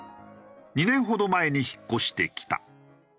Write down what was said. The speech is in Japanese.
２年ほど前に引っ越してきた。